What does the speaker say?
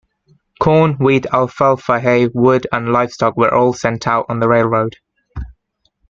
Corn, wheat, alfalfa hay, wood, and livestock were all sent out on the railroad.